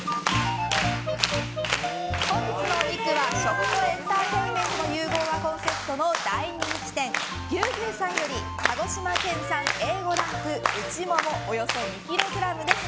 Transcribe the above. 本日のお肉は、食とエンターテインメントの融合がコンセプトの大人気店牛牛さんより鹿児島県産Ａ５ランクうちももおよそ２ｋｇです！